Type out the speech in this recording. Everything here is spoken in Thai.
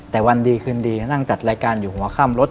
แต่วันดีคืนดีนั่งจัดรายการอยู่หัวข้ามรถ